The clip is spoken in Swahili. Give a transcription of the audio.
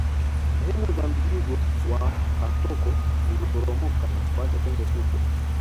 Sehemu za mzingo wa kasoko ziliporomoka na kuacha pengo kubwa